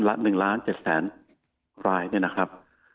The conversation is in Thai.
ละหนึ่งล้านเจ็ดแสนรายเนี่ยนะครับ